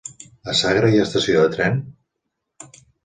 A Sagra hi ha estació de tren?